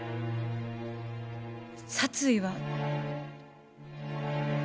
殺意は。